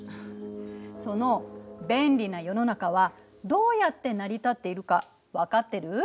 その便利な世の中はどうやって成り立っているか分かってる？